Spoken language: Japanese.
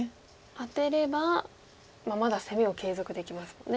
アテればまだ攻めを継続できますもんね。